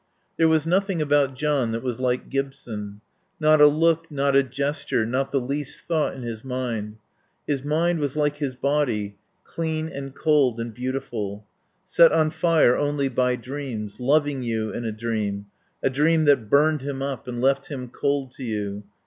There was nothing about John that was like Gibson. Not a look, not a gesture, not the least thought in his mind. His mind was like his body, clean and cold and beautiful. Set on fire only by dreams; loving you in a dream, a dream that burned him up and left him cold to you.